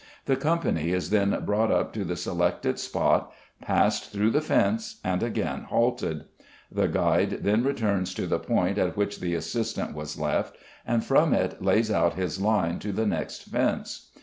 The company is then brought up to the selected spot, passed through the fence, and again halted. The guide then returns to the point at which the assistant was left, and from it lays out his line to the next fence.